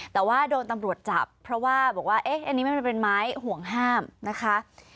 แต่ว่าโดนตำรวจจับเพราะว่าบอกว่าเอ๊ะอันนี้มันเป็นไม้ห่วงห้ามนะคะ